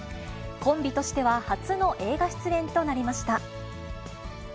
コンビとしては初の映画出演となりました。